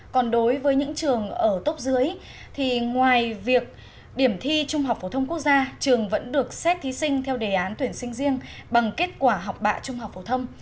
còn đối với những trường ở tốc dưới thì ngoài việc điểm thi trung học phổ thông quốc gia trường vẫn được xét thí sinh theo đề án tuyển sinh riêng bằng kết quả học bạ trung học phổ thông